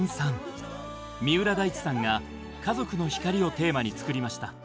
三浦大知さんが家族の光をテーマに作りました。